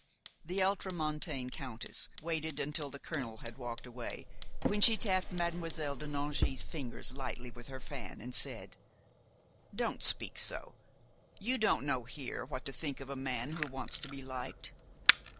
The ultramontane countess waited until the colonel had walked away, when she tapped Mademoiselle de Nangy's fingers lightly with her fan and said: "Don't speak so; you don't know here what to think of a man who wants to be liked."